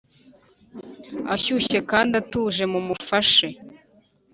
ashyushye kandi atuje mumufashe.